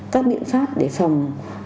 các biện pháp để phòng